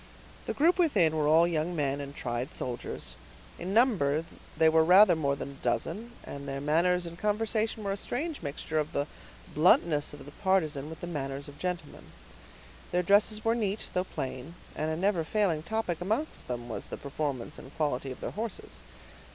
The group within were all young men and tried soldiers; in number they were rather more than a dozen, and their manners and conversation were a strange mixture of the bluntness of the partisan with the manners of gentlemen. Their dresses were neat, though plain; and a never failing topic amongst them was the performance and quality of their horses.